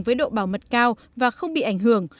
với độ bảo mật cao và không bị ảnh hưởng